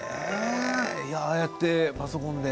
ああやってパソコンで？